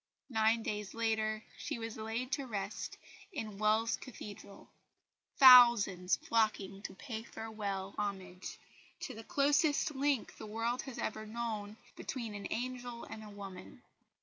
Nine days later she was laid to rest in Wells Cathedral, thousands flocking to pay farewell homage to the closest link the world has ever known "between an angel and a woman."